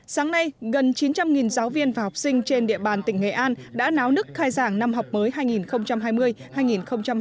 sáng nay gần chín trăm linh giáo viên và học sinh trên địa bàn tỉnh nghệ an đã náo nức khai giảng năm học mới hai nghìn hai mươi hai nghìn hai mươi một